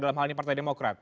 dalam hal ini partai demokrat